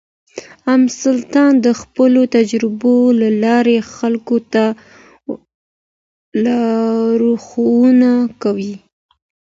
ام سلطان د خپلو تجربو له لارې خلکو ته لارښوونه کوي.